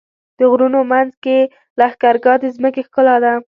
د غرونو منځ کې لښکرګاه د ځمکې ښکلا ده.